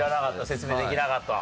説明できなかった。